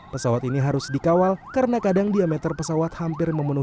pesawat ini harus dikawal karena kadang diameter pesawat hampir memenuhi